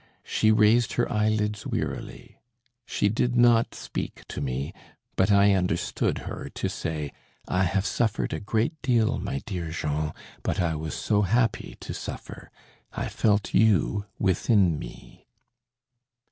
She raised her eyelids wearily. She did not speak to me, but I understood her to say: "I have suffered a great deal, my dear Jean, but I was so happy to suffer! I felt you within me."